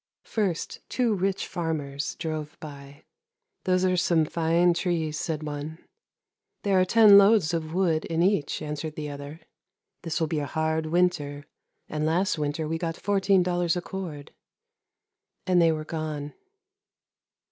" First two rich farmers drove by. ' There are some fine trees,' said one. ' There are ten loads of wood in each,' answered the other. ' This will be a hard winter, and last winter we got fourteen dollars a cord,' and they were gone.